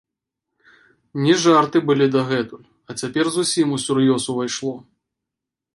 Не жарты былі дагэтуль, а цяпер зусім усур'ёз увайшло.